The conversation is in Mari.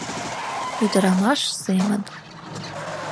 Ӱдырамаш семын.